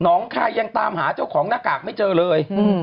งคายยังตามหาเจ้าของหน้ากากไม่เจอเลย